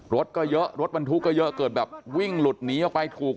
รถก็เยอะรถบรรทุกก็เยอะเกิดแบบวิ่งหลุดหนีออกไปถูก